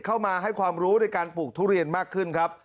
เข้ามาให้ความรู้ในการปลูกทุเรียนมากขึ้นครับ